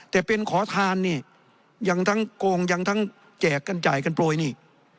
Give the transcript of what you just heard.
แต่เป็นขอทานนี่ยังทั้งโกงยังทั้งแจกกันจ่ายกันโปรยนี่